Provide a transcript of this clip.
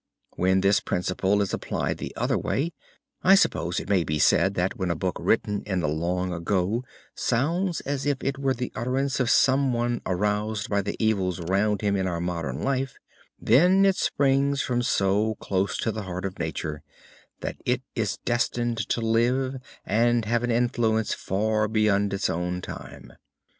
When this principle is applied the other way, I suppose it may be said, that when a book written in the long ago sounds as if it were the utterance of some one aroused by the evils round him in our modern life, then it springs from so close to the heart of nature that it is destined to live and have an influence far beyond its own time.